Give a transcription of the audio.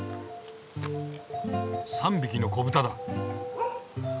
３匹の子ブタだ。